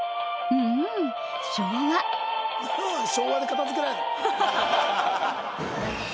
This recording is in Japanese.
「うん昭和」で片付けられた